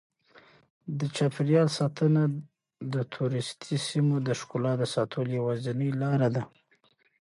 د چاپیریال ساتنه د توریستي سیمو د ښکلا د ساتلو یوازینۍ لاره ده.